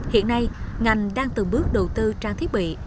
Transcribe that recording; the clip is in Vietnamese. hiện nay ngành đang từng bước đầu tư trang thiết bị